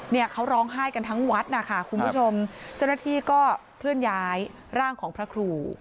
เนี่ยเขาร้องไห้กันทั้งวัดนะคะคุณผู้ชมเจ้าหน้าที่ก็เคลื่อนย้ายร่างของพระครู